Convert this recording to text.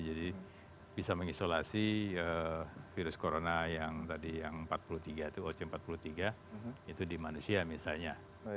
jadi bisa mengisolasi virus coronavirus yang tadi yang empat puluh tiga itu oc empat puluh tiga itu di manusia misalnya